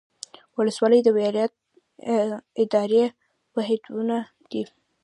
ولسوالۍ د ولایت اداري واحدونه دي